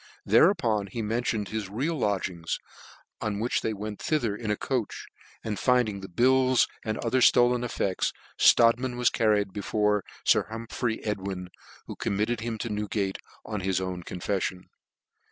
Hereupon he mentioned his real lodgings; on which they went thither in a coach, and finding the bills and other (iolcip effects Strodtman was carried before Sir Hum r phry Edwin, who committed him to Newgate, on his own confeffion.